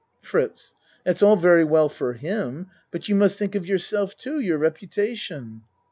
FRITZ That's all very well for him but you must think of yourself too your reputation.